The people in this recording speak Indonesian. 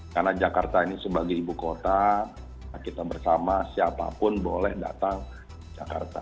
karena jakarta ini sebagai ibu kota kita bersama siapapun boleh datang ke jakarta